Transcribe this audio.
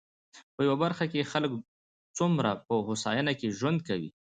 په يوه برخه کې يې خلک څومره په هوساينه کې ژوند کوي.